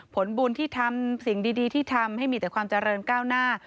ผลบุญที่ทำสิ่งดีที่ทำให้มีแต่ความเจริญก้าวหน้า